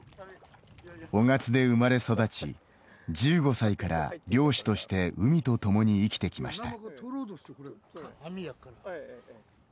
雄勝で生まれ育ち１５歳から漁師として海と共に生きてきました。